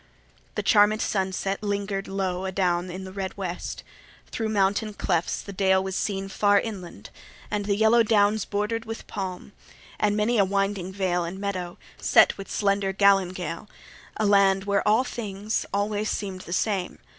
The charmed sunset linger'd low adown In the red West: thro' mountain clefts the dale Was seen far inland, and the yellow down Border'd with palm, and many a winding vale And meadow, set with slender galingale; A land where all things always seem'd the same!